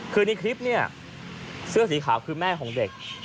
คือในคลิปเนี่ยเสื้อสีขาวคือแม่ของเด็ก